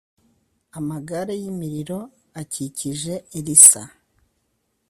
Amagare y imiriro akikije elisa